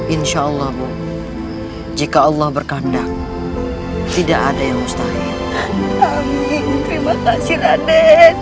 insyaallah jika allah berkandang tidak ada yang mustahil terima kasih raden